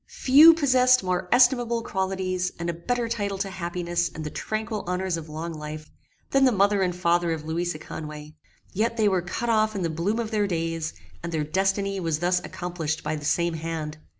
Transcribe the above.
Few possessed more estimable qualities, and a better title to happiness and the tranquil honors of long life, than the mother and father of Louisa Conway: yet they were cut off in the bloom of their days; and their destiny was thus accomplished by the same hand.